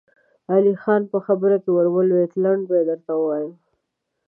علی خان په خبره کې ور ولوېد: لنډه به يې درته ووايم.